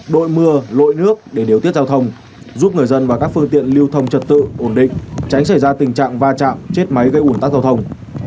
đội mưa lội nước để điều tiết giao thông giúp người dân và các phương tiện lưu thông trật tự ổn định tránh xảy ra tình trạng va chạm chết máy gây ủn tắc giao thông